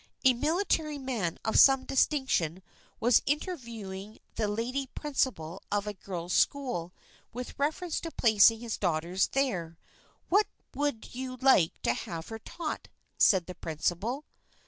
A military man of some distinction was interviewing the lady principal of a girls' school with reference to placing his daughter there. "What would you like to have her taught?" said the principal.